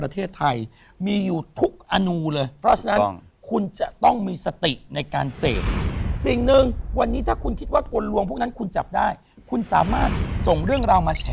ทุกคนทุกท่านนันทืน